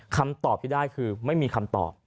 คำตอบที่ได้คือไม่มีคำตอบ